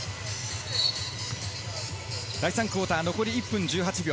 第３クオーター残り１分１８秒。